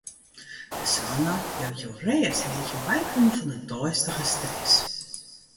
De sauna jout jo rêst en lit jo bykomme fan de deistige stress.